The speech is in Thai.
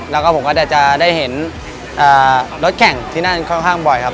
แล้วก็ผมก็จะได้เห็นรถแข่งที่นั่นค่อนข้างบ่อยครับ